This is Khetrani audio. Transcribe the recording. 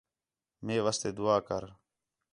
مے واسطے دُعا کر